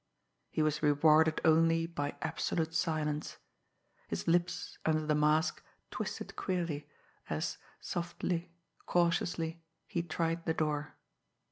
He was rewarded only by absolute silence. His lips, under the mask, twisted queerly, as, softly, cautiously, he tried the door.